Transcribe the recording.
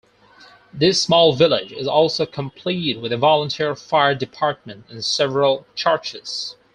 This small village is also complete with a volunteer fire department, and several churches.